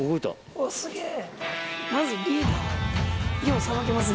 うわすげぇ。